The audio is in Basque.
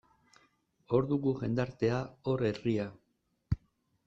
Hor dugu jendartea, hor herria.